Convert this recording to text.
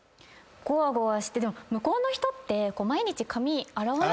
ゴワゴワしてでも向こうの人って。